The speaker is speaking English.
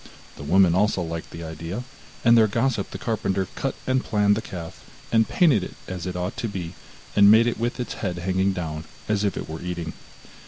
the woman also liked the idea, and their gossip the carpenter cut and planed the calf, and painted it as it ought to be, and made it with its head hanging down as if it were eating.